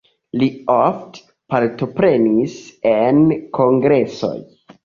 Li ofte partoprenis en kongresoj.